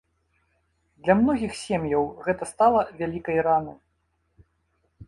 Для многіх сем'яў гэта стала вялікай ранай.